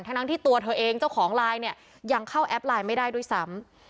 ทั้งที่ตัวเธอเองเจ้าของไลน์เนี่ยยังเข้าแอปไลน์ไม่ได้ด้วยซ้ำ